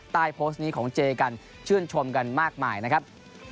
โพสต์นี้ของเจกันชื่นชมกันมากมายนะครับ